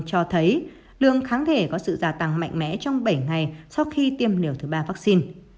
cho thấy lượng kháng thể có sự gia tăng mạnh mẽ trong bảy ngày sau khi tiêm liều thứ ba vaccine